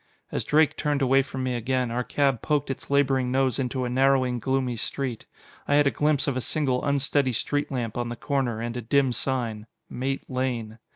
As Drake turned away from me again, our cab poked its laboring nose into a narrowing, gloomy street. I had a glimpse of a single unsteady street lamp on the corner, and a dim sign, "Mate Lane."